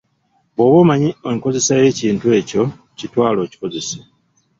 "Bwoba omanyi enkozesa y'ekintu ekyo, kitwale okikozese."